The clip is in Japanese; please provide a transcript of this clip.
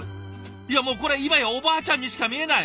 いやもうこれ今やおばあちゃんにしか見えない！